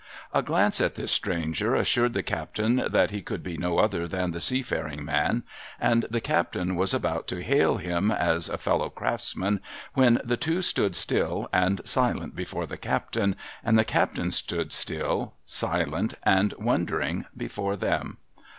A glance at this stranger assured the captain that he could be no other than the Seafaring Man ; and the captain was about to hail him as a fellow craftsman, when the two stood still and silent before the captain, and the captain stood still, silent, and wondering before them.